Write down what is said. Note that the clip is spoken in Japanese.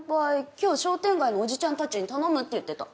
今日商店街のおじちゃんたちに頼むって言ってた。